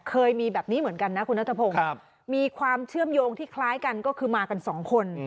เคยมีแบบนี้เหมือนกันนะคุณนัทพงศ์มีความเชื่อมโยงที่คล้ายกันก็คือมากันสองคน